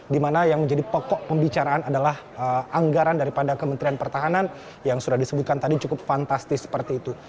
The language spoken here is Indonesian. dimana yang menjadi pokok pembicaraan adalah anggaran daripada kementerian pertahanan yang sudah disebutkan tadi cukup fantastis seperti itu